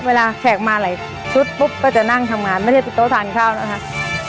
แขกมาหลายชุดปุ๊บก็จะนั่งทำงานไม่ได้ปิดโต๊ะทานข้าวนะคะ